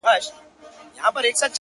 هغه ياغي شاعر غزل وايي ټپه نه کوي-